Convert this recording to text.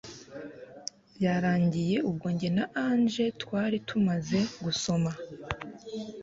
yarangiye ubwo njye na Angel twari tumaze gusoma